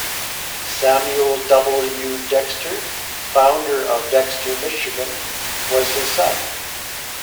Samuel W. Dexter, founder of Dexter, Michigan, was his son.